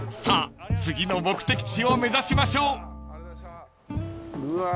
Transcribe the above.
［さあ次の目的地を目指しましょう］